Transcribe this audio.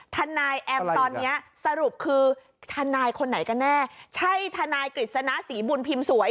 ทนายแอมตอนนี้สรุปคือทนายคนไหนกันแน่ใช่ทนายกฤษณะศรีบุญพิมพ์สวย